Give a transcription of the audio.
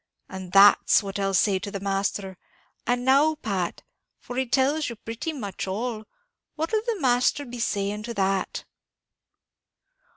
And that's what I'll say to the Masther; and now, Pat for he tells you pretty much all what'll the Masther be saying to that?"